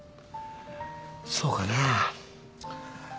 そうかな。